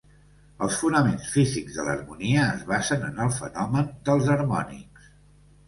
Els fonaments físics de l'harmonia es basen en el fenomen dels harmònics.